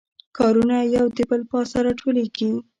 کارونه یو د بل پاسه راټولیږي